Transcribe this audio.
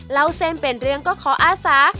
เล่าเส้นเป็นเรื่องก็ขออาสา